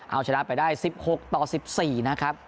เอาชนะได้๑๖๑๔นะครับ